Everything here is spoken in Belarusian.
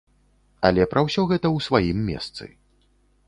Але пра ўсё гэта ў сваім месцы.